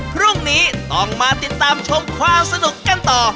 พรุ่งนี้ต้องมาติดตามชมความสนุกกันต่อ